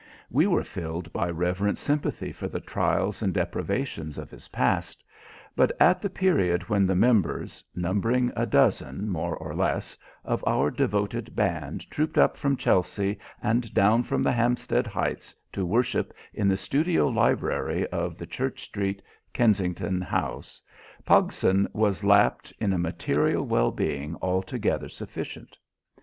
We were filled by reverent sympathy for the trials and deprivations of his past. But at the period when the members numbering a dozen, more or less of our devoted band trooped up from Chelsea and down from the Hampstead heights to worship in the studio library of the Church Street, Kensington, house, Pogson was lapped in a material well being altogether sufficient.